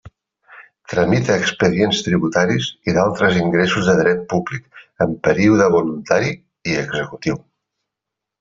Tramita expedients tributaris i d'altres ingressos de dret públic en període voluntari i executiu.